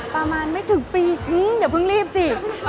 ประมาณไม่ถึงปีอย่าเพิ่งรีบสิ